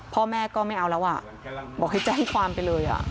พ่อแม่ก็ไม่เอาแล้วอ่ะบอกให้แจ้งความไปเลย